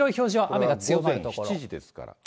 午前７時ですから。